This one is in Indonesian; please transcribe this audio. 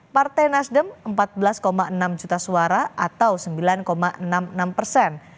partai nasdem empat belas enam juta suara atau sembilan enam puluh enam persen